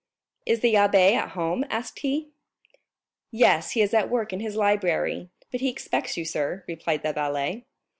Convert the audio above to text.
"Is the abbé at home?" asked he. "Yes; he is at work in his library, but he expects you, sir," replied the valet.